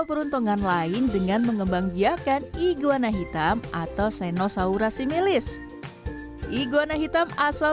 peruntungan lain dengan mengembang biakan iguana hitam atau senosaura similis iguana hitam asal